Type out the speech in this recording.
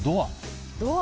ドア。